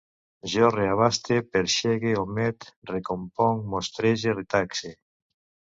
Jo reabaste, perxege, omet, recomponc, mostrege, retaxe